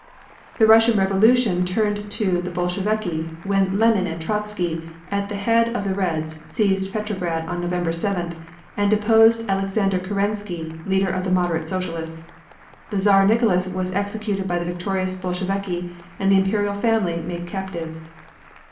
The Russian revolution turned to the Bolsheviki when Lenine and Trotsky at the head of the Reds seized Petrograd on November 7th and deposed Alexander Kerensky, leader of the Moderate Socialists. The Czar Nicholas was executed by the victorious Bolsheviki and the Imperial family made captives.